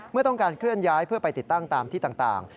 เมื่อต้องการเคลื่อนย้ายเพื่อไปติดตั้งตามที่ต่าง